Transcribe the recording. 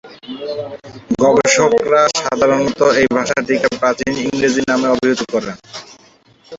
গবেষকেরা সাধারণত এই ভাষাটিকে প্রাচীন ইংরেজি নামে অভিহিত করেন।